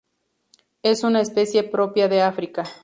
Es una especie propia de África.